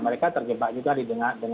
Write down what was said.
mereka terjebak juga dengan